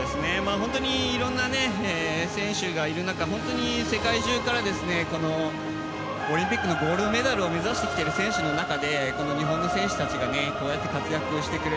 本当にいろんな選手がいる中本当に世界中からオリンピックのゴールドメダルを目指してきている選手の中で日本の選手たちがこうやって活躍をしてくれる。